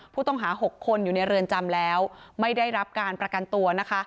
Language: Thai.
ผู้ต้องหา๖คนอยู่ในเรือนจำแล้วไม่ได้รับการประกันตัวนะคะ